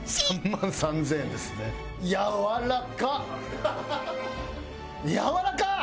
３万３０００円ですね。やわらかっ！やわらかっ！